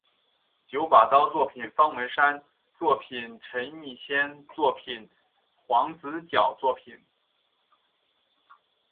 九把刀作品方文山作品陈奕先作品黄子佼作品